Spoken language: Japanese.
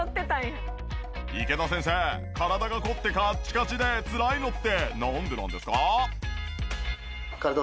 池田先生体が凝ってカッチカチでつらいのってなんでなんですか？